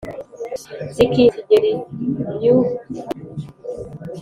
zikiheta kigeli, n'yuhi